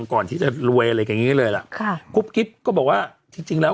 ก่อนที่จะรวยอะไรแบบนี้เลยล่ะคุบกิฟต์ก็บอกว่าที่จริงแล้ว